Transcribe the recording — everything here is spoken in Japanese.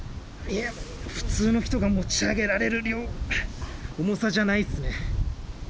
いや、普通の人が持ち上げられる重さじゃないっすね。